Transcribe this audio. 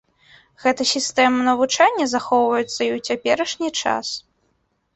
Гэтая сістэма навучання захоўваецца і ў цяперашні час.